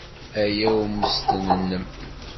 Aya i ummesten-nnem.